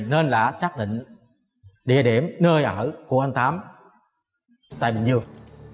nên đã xác định địa điểm nơi ở của anh tám tại bình dương